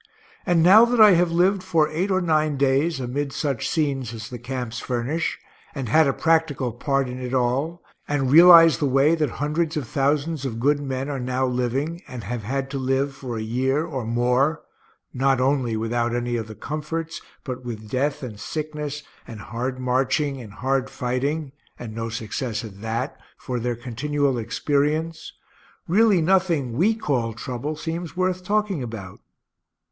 And now that I have lived for eight or nine days amid such scenes as the camps furnish, and had a practical part in it all, and realize the way that hundreds of thousands of good men are now living, and have had to live for a year or more, not only without any of the comforts, but with death and sickness and hard marching and hard fighting (and no success at that) for their continual experience really nothing we call trouble seems worth talking about.